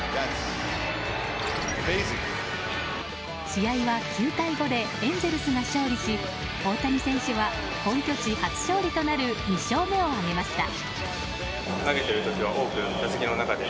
試合は９対５でエンゼルスが勝利し大谷選手は本拠地初勝利となる２勝目を挙げました。